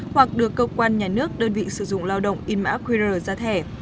hoặc được cơ quan nhà nước đơn vị sử dụng lao động in mã qr ra thẻ